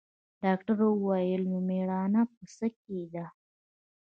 ډاکتر وويل نو مېړانه په څه کښې ده.